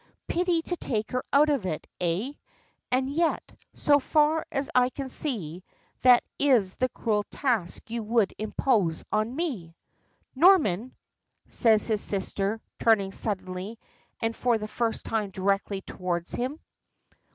"Pity to take her out of it. Eh? And yet, so far as I can see, that is the cruel task you would impose on me." "Norman," says his sister, turning suddenly and for the first time directly toward him.